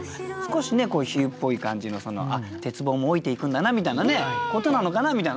少しね比喩っぽい感じの鉄棒も老いていくんだなみたいなことなのかなみたいなね。